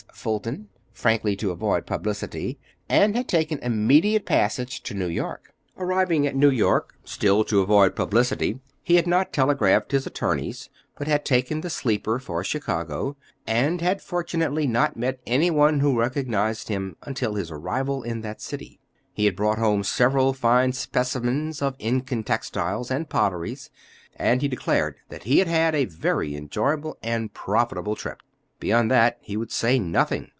Fulton, frankly to avoid publicity, and had taken immediate passage to New York. Arriving at New York, still to avoid publicity, he had not telegraphed his attorneys, but had taken the sleeper for Chicago, and had fortunately not met any one who recognized him until his arrival in that city. He had brought home several fine specimens of Incan textiles and potteries: and he declared that he had had a very enjoyable and profitable trip. Beyond that he would say nothing.